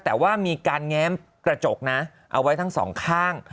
แต่ว่ามีการแง้มกระจกนะเอาไว้ทั้งสองข้าง